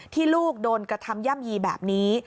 ลูกโดนกระทำย่ำยีแบบนี้